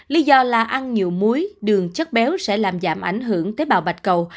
lý do là ăn nhiều muối đường chất béo sẽ làm giảm ảnh hưởng tới bào bạch cầu